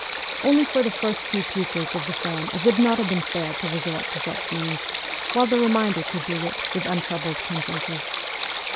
Only for the first two pupils of the form it would not have been fair to resort to such means, while the remainder could do it with untroubled consciences.